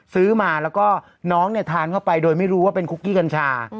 ซื้อมาแล้วก็น้องเนี่ยทานเข้าไปโดยไม่รู้ว่าเป็นคุกกี้กัญชา